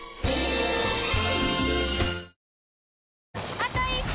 あと１周！